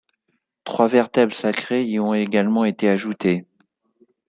Trois vertèbres sacrées y ont également été ajoutées.